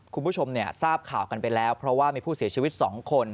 คุณผู้ชมทราบข่าวกันไปแล้วเพราะว่ามีผู้เสียชีวิต๒คน